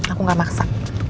aku gak maksa